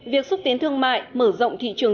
việc xúc tiến thương mại mở rộng thị trường